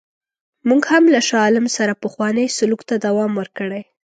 موږ هم له شاه عالم سره پخوانی سلوک ته دوام ورکړی.